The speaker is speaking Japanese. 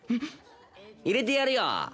入れてやるよ。